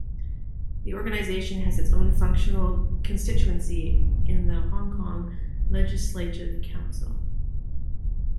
The organisation has its own functional constituency in the Hong Kong Legislative Council.